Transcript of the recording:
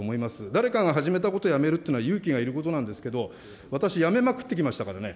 誰かが始めたことをやめるっていうのは勇気がいることなんですけど、私、やめまくってきましたからね。